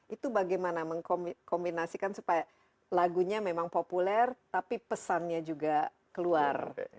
itu bagaimana mengkombinasikan supaya lagunya memang populer tapi pesannya juga keluar